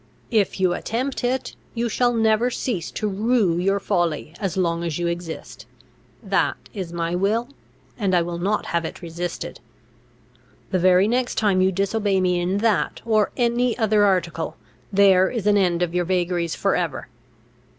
If you attempt it, you shall never cease to rue your folly as long as you exist. That is my will; and I will not have it resisted. The very next time you disobey me in that or any other article, there is an end of your vagaries for ever.